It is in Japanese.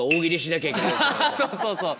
そうそうそう。